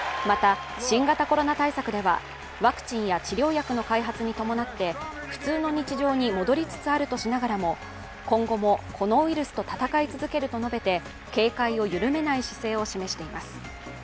また、新型コロナ対策ではワクチンや治療薬の開発に伴って普通の日常に戻りつつあるとしながらも今後もこのウイルスと闘い続けると述べて、警戒を緩めない姿勢を示しています。